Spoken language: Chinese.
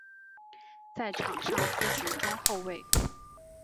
在场上司职中后卫。